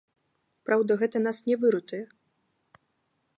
Праўда, гэта нас не выратуе.